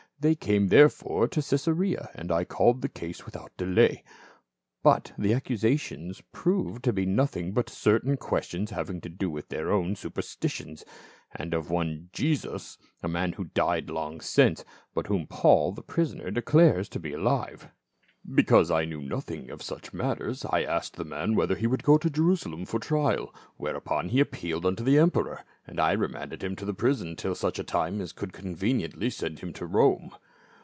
They came therefore to Caesarea, and I called the case without delay. But the accusations proved to be nothing but certain questions having to do with their own super stitions, and of one Jesus, a man who died long since, but whom Paul, the prisoner, declares to be alive. "CjESAREM APFELLO r' 421 Because I knew nothing of such matters, I asked the man whether he would go to Jerusalem for trial, where upon he appealed unto the emperor, and I remanded him to the prison till such time as I could conveniently send him to Rome."